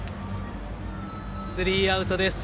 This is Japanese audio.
スリーアウトです。